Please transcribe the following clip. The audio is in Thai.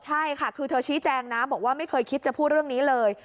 ใช่ค่ะคือเธอชี้แจงนะบอกว่าไม่เคยคิดจะพูดเรื่องนี้เลย